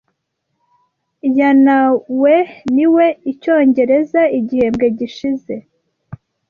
yanaweniwe Icyongereza igihembwe gishize.